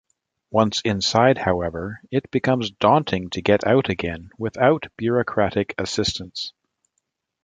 Once inside, however, it becomes daunting to get out again without bureaucratic assistance.